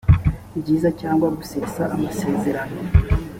byiza cyangwa gusesa amasezerano